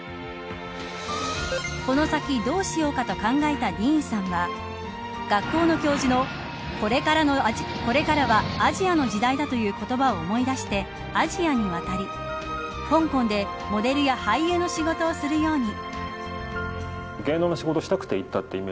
この先どうしようかと考えたディーンさんは学校の教授のこれからは、アジアの時代だという言葉を思い出してアジアに渡り香港でモデルや俳優の仕事をするように。